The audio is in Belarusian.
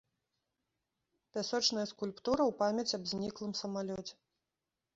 Пясочная скульптура ў памяць аб зніклым самалёце.